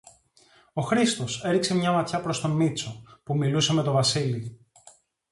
Ο Χρήστος έριξε μια ματιά προς τον Μήτσο, που μιλούσε με τον Βασίλη.